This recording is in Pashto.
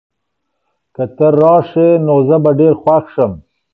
که ته راشې، نو زه به ډېر خوښ شم.